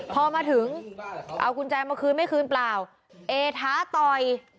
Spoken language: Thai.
พอมาถึงเอากุญแจมาคืนไม่คืนเปล่าเอท้าต่อย